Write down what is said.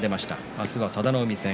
明日は佐田の海戦。